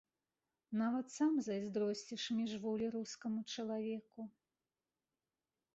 Нават сам зайздросціш міжволі рускаму чалавеку.